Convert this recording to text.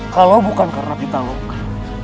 kalau bukan karena pitaloka